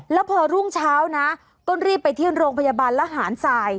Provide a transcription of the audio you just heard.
แล้วพอรุ่งเช้านะก็รีบไปที่โรงพยาบาลละหารสาย